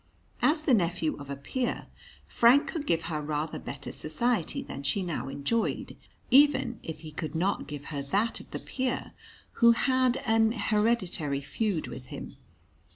As the nephew of a peer, Frank could give her rather better society than she now enjoyed, even if he could not give her that of the peer, who had an hereditary feud with him.